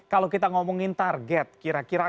kalau kita ngomongin target kira kira